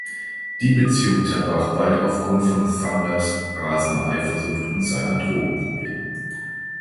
Die Beziehung zerbrach bald aufgrund von Thunders’ rasender Eifersucht und seiner Drogenprobleme.